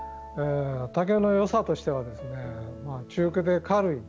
竹のよさとしては中空で軽い。